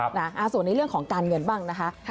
ครับนะอ่าส่วนในเรื่องของการเงินบ้างนะคะครับ